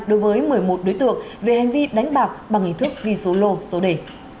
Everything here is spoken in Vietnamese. đối với một mươi một đối tượng về hành vi đánh bạc bằng hình thức ghi số lô số đề